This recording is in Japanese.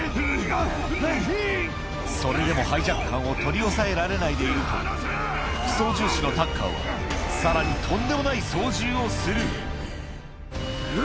それでもハイジャック犯を取り押さえられないでいると副操縦士のタッカーはさらにをするん！